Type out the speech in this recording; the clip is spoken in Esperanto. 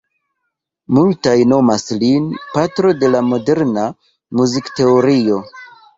Multaj nomas lin "patro de la moderna muzikteorio".